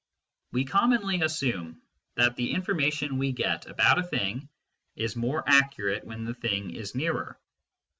We commonly assume that the information we get about a thing is more accurate when the thing is nearer.